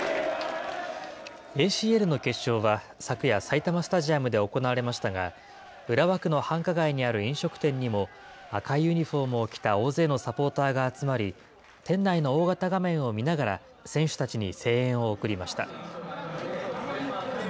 ＡＣＬの決勝は昨夜、埼玉スタジアムで行われましたが、浦和区の繁華街にある飲食店にも、赤いユニホームを着た大勢のサポーターが集まり、店内の大型画面を見ながら、選手たちに声援を送りました。